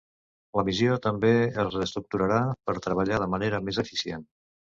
La missió també es reestructurarà per treballar de manera més eficient.